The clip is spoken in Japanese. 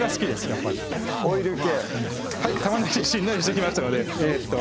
やっぱりオイル系はい玉ねぎがしんなりしてきましたのでえっと